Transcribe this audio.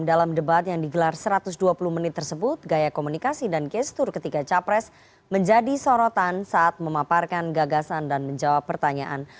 dalam debat yang digelar satu ratus dua puluh menit tersebut gaya komunikasi dan gestur ketiga capres menjadi sorotan saat memaparkan gagasan dan menjawab pertanyaan